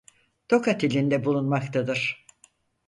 Tokat ilinde bulunmaktadır.